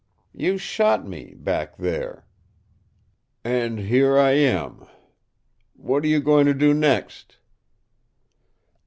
You shot me, back there. And here I am. What are you going to do next?"